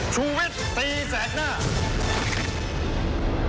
ชุวิตตีแสกหน้า